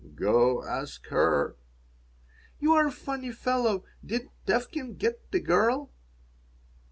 "Go ask her." "You're a funny fellow. Did Tevkin get the girl?"